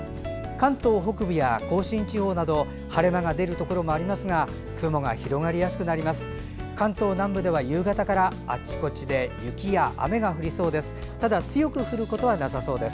関東北部や甲信地方など晴れ間が出るところもありますが雲が広がりやすくなります。